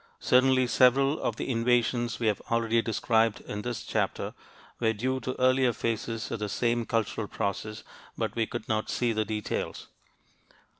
Certainly several of the invasions we have already described in this chapter were due to earlier phases of the same cultural process, but we could not see the details.